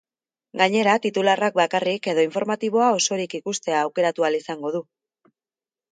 Gainera, titularrak bakarrik edo informatiboa osorik ikustea aukeratu ahal izango du.